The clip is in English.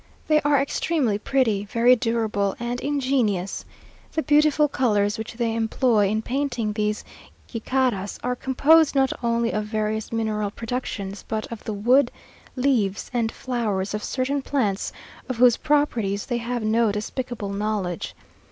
They are extremely pretty, very durable and ingenious. The beautiful colours which they employ in painting these gicaras are composed not only of various mineral productions, but of the wood, leaves, and flowers of certain plants, of whose properties they have no despicable knowledge.